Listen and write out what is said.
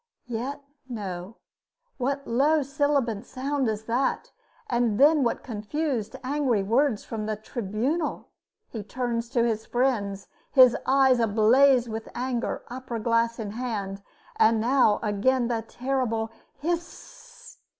Yet, no. What low, sibilant sound is that? And then what confused, angry words from the tribunal? He turns to his friends, his eyes ablaze with anger, opera glass in hand. And now again the terrible "Hiss s s!"